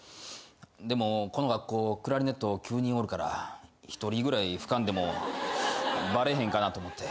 でもこの学校クラリネット９人おるから１人ぐらい吹かんでもバレへんかなと思って。